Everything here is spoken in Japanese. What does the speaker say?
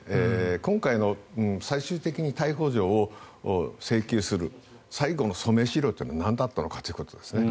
今回の最終的に逮捕状を請求する最後はなんだったのかということですね。